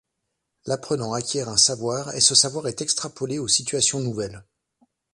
L'apprenant acquiert un savoir et ce savoir est extrapolé aux situations nouvelles.